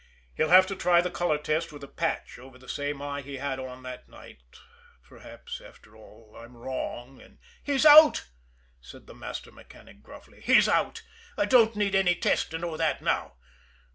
He'll have to try the color test with a patch over the same eye he had it on that night. Perhaps, after all, I'm wrong, and " "He's out!" said the master mechanic gruffly. "He's out I don't need any test to know that now.